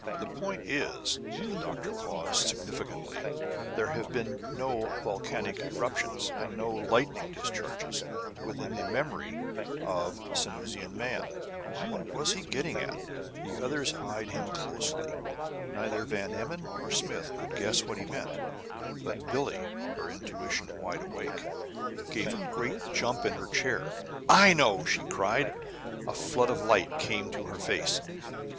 The point is," and the doctor paused significantly, "there have been no volcanic eruptions, and no lightning discharges within the memory of Sanusian man!" What was he getting at? The others eyed him closely. Neither Van Emmon nor Smith could guess what he meant; but Billie, her intuition wide awake, gave a great jump in her chair. "I know!" she cried. A flood of light came to her face.